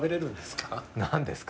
何ですか？